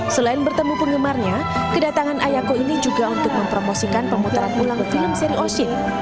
selain bertemu penggemarnya kedatangan ayako ini juga untuk mempromosikan pemutaran ulang film seri oshin